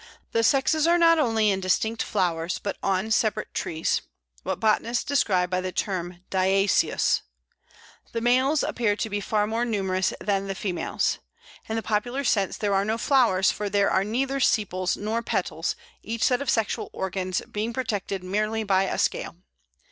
The sexes are not only in distinct flowers, but on separate trees what botanists describe by the term di[oe]cious. The males appear to be far more numerous than the females. In the popular sense there are no flowers, for there are neither sepals nor petals, each set of sexual organs being protected merely by a scale.